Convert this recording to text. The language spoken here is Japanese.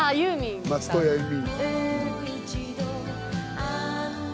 松任谷由実。